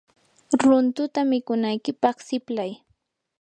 runtuta mikunaykipaq siplay.